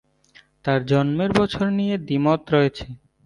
তার জন্মের বছর নিয়ে দ্বিমত রয়েছে।